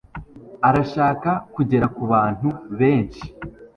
Arashaka kugera kubantu benshi.